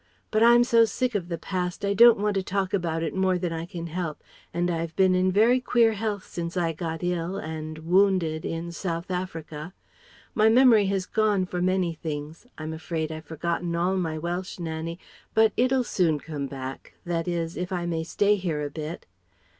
But I'm so sick of the past, I don't want to talk about it more than I can help, and I've been in very queer health since I got ill and wounded in South Africa. My memory has gone for many things I'm afraid I've forgotten all my Welsh, Nannie, but it'll soon come back, that is, if I may stay here a bit."